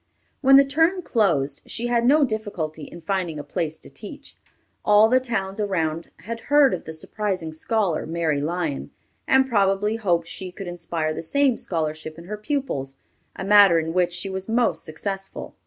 When the term closed, she had no difficulty in finding a place to teach. All the towns around had heard of the surprising scholar, Mary Lyon, and probably hoped she could inspire the same scholarship in her pupils, a matter in which she was most successful.